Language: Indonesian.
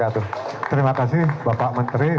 terima kasih bapak menteri